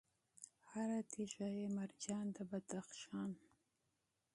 هر تیږه یې مرجان د بدخشان